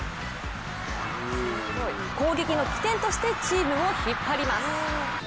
攻撃の起点としてチームを引っ張ります。